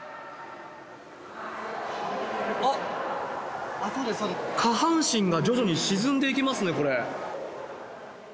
あっ、下半身が徐々に沈んでいきますね、これ。